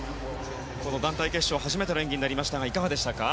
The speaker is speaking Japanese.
団体決勝初めての演技になりましたがいかがでしたか？